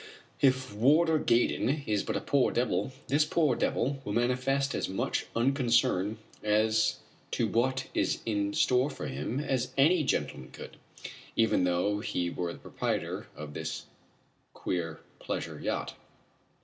If Warder Gaydon is but a poor devil, this poor devil will manifest as much unconcern as to what is in store for him as any gentleman could even though he were the proprietor of this queer pleasure yacht.